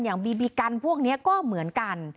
บีบีกันพวกนี้ก็เหมือนกัน